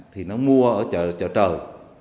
thì nó mua ở chợ trời